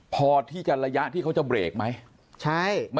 พอที่จะระยะที่เขาจะเบรกไหม